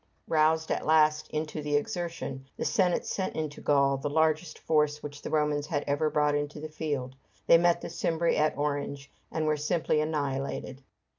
Roused at last into the exertion, the Senate sent into Gaul the largest force which the Romans had ever brought into the field. They met the Cimbri at Orange, and were simply annihilated.